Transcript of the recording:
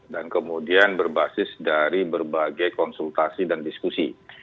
dan kemudian berbasis dari berbagai konsultasi dan diskusi